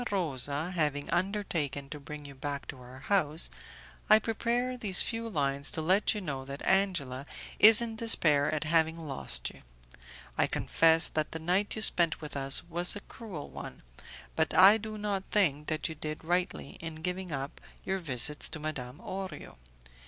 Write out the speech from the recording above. Rosa having undertaken to bring you back to our house, I prepare these few lines to let you know that Angela is in despair at having lost you. I confess that the night you spent with us was a cruel one, but I do not think that you did rightly in giving up your visits to Madame Orio.